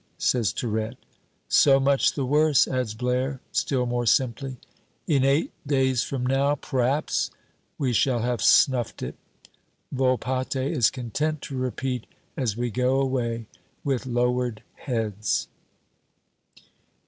says Tirette. "So much the worse," adds Blaire, still more simply. "In eight days from now p'raps we shall have snuffed it!" Volpatte is content to repeat as we go away with lowered heads.